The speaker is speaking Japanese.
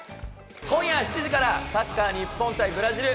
今夜７時からサッカー日本対ブラジル。